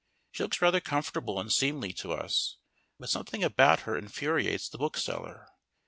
She looks rather comfortable and seemly to us, but something about her infuriates the bookseller.